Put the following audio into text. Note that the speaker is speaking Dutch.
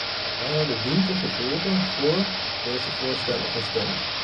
Wij hebben dientengevolge vóór deze voorstellen gestemd.